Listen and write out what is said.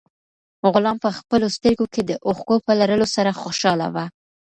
غلام په خپلو سترګو کې د اوښکو په لرلو سره خوشاله و.